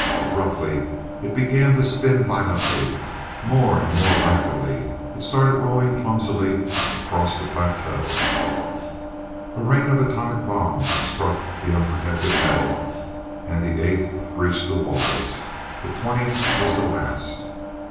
Abruptly it began to spin violently, more and more rapidly. It started rolling clumsily across the plateau A rain of atomic bombs struck the unprotected metal, and the eighth breached the walls. The twentieth was the last.